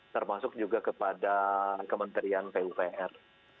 termasuk juga kepada kementerian pupr